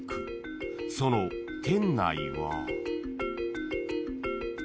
［その店内は］